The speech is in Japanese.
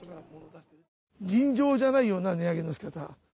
尋常じゃないような値上げの仕方。